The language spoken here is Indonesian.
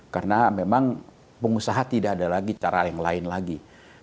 karena memang pengusaha tidak ada lagi cara yang lain lagi